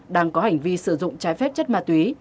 đang có hành vi sử dụng trái phép chất ma túy